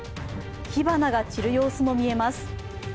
火花が散る様子も見えます。